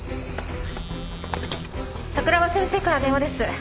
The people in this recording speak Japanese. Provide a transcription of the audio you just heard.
桜庭先生から電話です。